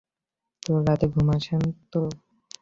তোর রাতে ঘুম আসে তো?